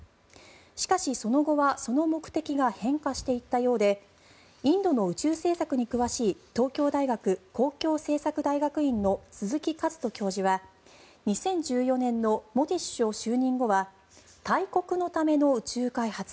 しかし、その後はその目的が変化していったようでインドの宇宙政策に詳しい東京大学公共政策大学院の鈴木一人教授は２０１４年のモディ首相就任後は大国のための宇宙開発